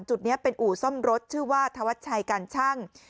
จุดนี้เป็นอู่ซ่อมรถชื่อว่าธวัชชัยการชั่ง